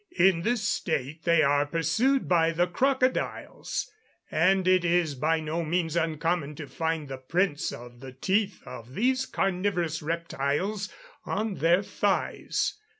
In this state they are pursued by the crocodiles; and it is by no means uncommon to find the prints of the teeth of these carnivorous reptiles on their thighs.